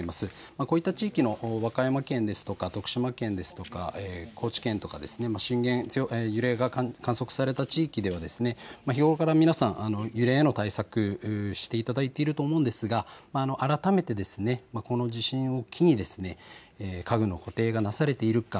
こういった地域、和歌山県ですとか徳島県ですとか、高知県とか揺れが観測された地域では日頃から皆さん、揺れへの対策していただいていると思いますが改めてこの地震を機に株の固定がなされているか。